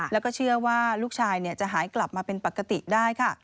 แล้วก็เชื่อว่าลูกชายจะหายกลับมาเป็นปกติได้ค่ะ